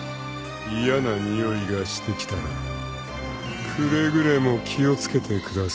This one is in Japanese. ［嫌な臭いがしてきたらくれぐれも気を付けてくださいね］